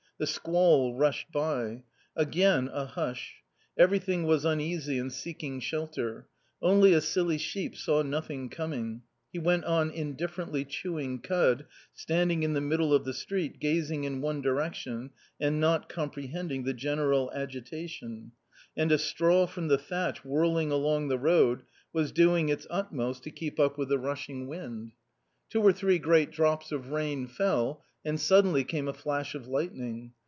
The squall rushed by. Again a hush. Everything was uneasy and seeking shelter ; only a silly sheep saw nothing coming ; he went on indifferently chewing cud, standing in the middle of the street gazing in one direction and not comprehending the general agitation ; and a straw from the thatch whirling along the road was doing its utmost to keep up with the rushing wind. A COMMON STORY 237 Two or three great drops of rain fell, and suddenly came a flash of lightning.